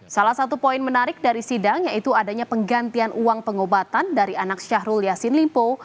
salah satu poin menarik dari sidang yaitu adanya penggantian uang pengobatan dari anak syahrul yassin limpo